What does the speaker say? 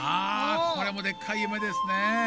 これもでっかい夢ですね。